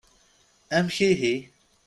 Amek ihi.